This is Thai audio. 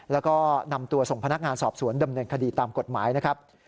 แล้วก็นำตัวส่งพนักงานสอบสวนดำเนินคดีตามกฎหมายนะครับ